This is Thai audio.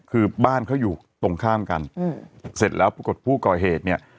คือบ้านเขาอยู่ตรงข้ามกันอืมเสร็จแล้วปรากฏผู้ก่อเหตุเนี่ย